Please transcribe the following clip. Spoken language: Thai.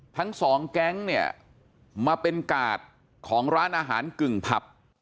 ทั้งสองแก๊งเนี่ยมาเป็นกาดของร้านอาหารกึ่งผับ